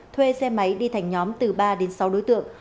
thuê xe máy đi thành nhóm từ ba đến sáu đối tượng